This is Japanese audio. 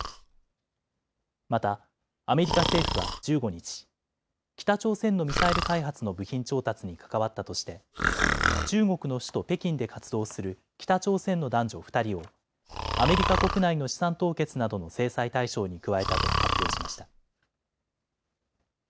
またアメリカ政府は１５日、北朝鮮のミサイル開発の部品調達に関わったとして中国の首都・北京で活動する北朝鮮の男女２人をアメリカ国内の資産凍結などの制裁対象に加えたと発表しました。